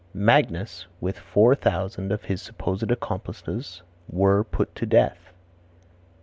"Magnus, with four thousand of his supposed accomplices were put to death."